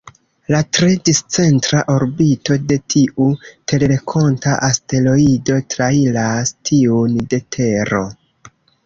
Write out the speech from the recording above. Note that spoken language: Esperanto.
La tre discentra orbito de tiu terrenkonta asteroido trairas tiun de Tero.